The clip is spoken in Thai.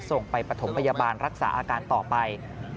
ส่งไปปฐมพยาบาลรักษาอาการต่อไป